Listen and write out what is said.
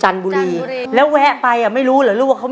แซ็ก